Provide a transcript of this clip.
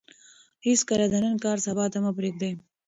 هېڅکله د نن کار سبا ته مه پرېږدئ.